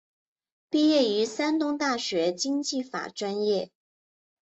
毕业于山东大学经济法专业。